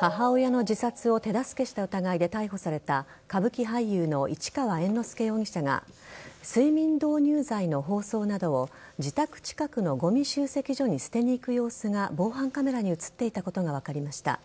母親の自殺を手助けした疑いで逮捕された歌舞伎俳優の市川猿之助容疑者が睡眠導入剤の包装などを自宅近くのごみ集積所に捨てに行く様子が防犯カメラに映っていたことが分かりました。